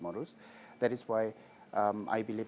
itulah mengapa saya percaya